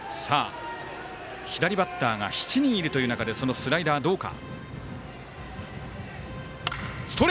左バッターが７人いるという中でそのスライダーどうか。